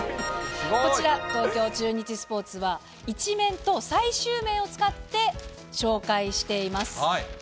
こちら、東京中日スポーツは、１面と最終面を使って紹介しています。